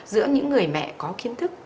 giữa những người mẹ có kiến thức